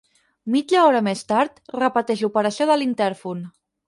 Mitja hora més tard, repeteix l'operació de l'intèrfon.